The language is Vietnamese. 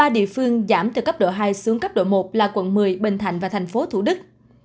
ba địa phương giảm từ cấp độ hai xuống cấp độ một là quận một mươi bình thạnh và thành phố thủ đức